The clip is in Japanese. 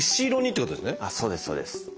そうですそうです。